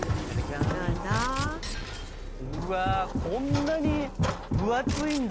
うわこんなに分厚いんだ！